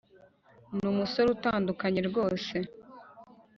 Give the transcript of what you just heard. numusore utandukanye rwose,